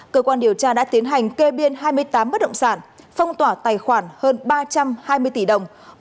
cơ quan điều tra đã tiến hành kê biên hai mươi tám bất động sản phong tỏa tài khoản hơn ba trăm hai mươi tỷ đồng